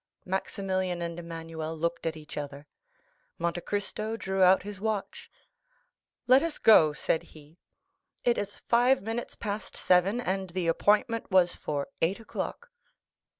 Maximilian and Emmanuel looked at each other. Monte Cristo drew out his watch. "Let us go," said he; "it is five minutes past seven, and the appointment was for eight o'clock."